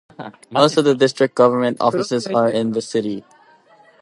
Most of the district government offices are in the city.